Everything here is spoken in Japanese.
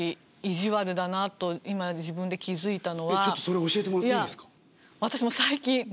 ちょっとそれ教えてもらっていいですか。